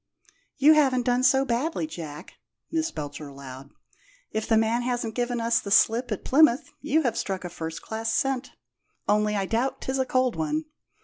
"You haven't done so badly, Jack," Miss Belcher allowed. "If the man hasn't given us the slip at Plymouth you have struck a first class scent. Only I doubt 'tis a cold one.